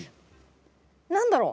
何だろう？